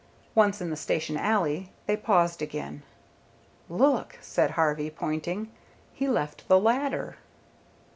Once in the station alley, they paused again. "Look!" said Harvey, pointing; "he left the ladder."